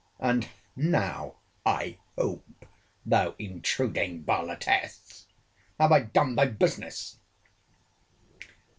—and now, I hope, thou intruding varletess, have I done thy business!